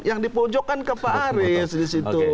yang dipojokkan ke pak arief disitu